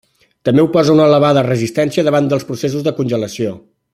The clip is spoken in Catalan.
També oposa una elevada resistència davant dels processos de congelació.